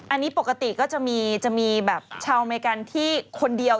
อันนี้ปกติก็จะมีชาวอเมริกาคนเดียว